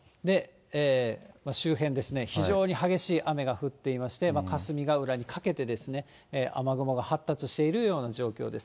周辺ですね、非常に激しい雨が降っていまして、かすみがうらにかけて、雨雲が発達しているような状況です。